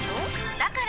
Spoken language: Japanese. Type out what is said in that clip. だから！